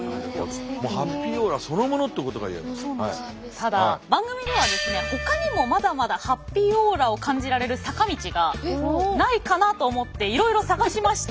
ただ番組ではですねほかにもまだまだハッピーオーラを感じられる坂道がないかなと思っていろいろ探しました！